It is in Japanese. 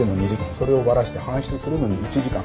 それをばらして搬出するのに１時間。